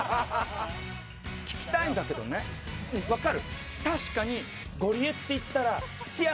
聞きたいんだけどね、分かる？